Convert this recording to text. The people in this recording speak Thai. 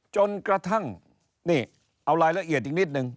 จนกระทั่งนี่เอารายละเอียดอีกนิดนึง